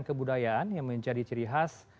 kebudayaan yang menjadi ciri khas